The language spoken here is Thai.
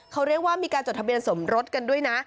เขาเรียกว่ามีการจดทะเบียนสมรสกันด้วยนะ